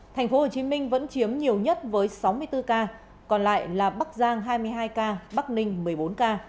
thành phố hồ chí minh vẫn chiếm nhiều nhất với sáu mươi bốn ca còn lại là bắc giang hai mươi hai ca bắc ninh một mươi bốn ca